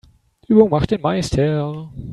Übung macht den Meister.